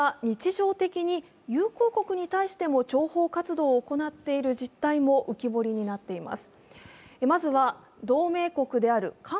今回流出した機密文書からは、アメリカが日常的に友好国に対しても諜報活動を行っている実態も浮き彫りになっています。